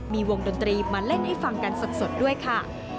มีวงดนตรีมาเล่นให้ฟังกันสดด้วยค่ะ